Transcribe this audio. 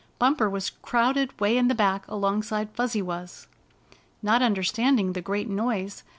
Bumper was crowded way in back alongside Fuzzy Wuzz. Not understanding the great noise.